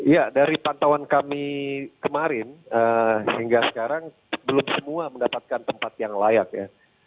ya dari pantauan kami kemarin hingga sekarang belum semua mendapatkan tempat yang layak ya